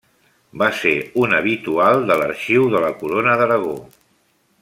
Va ser un habitual de l'Arxiu de la Corona d'Aragó.